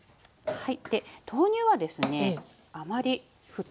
はい。